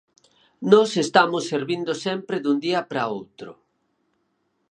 Nós estamos servindo sempre dun día para outro.